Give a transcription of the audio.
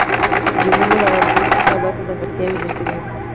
جینونه له والدینو څخه اولاد ته ځانګړتیاوې لیږدوي